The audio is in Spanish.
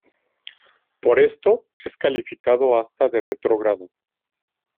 Por esto es calificado hasta de retrógrado.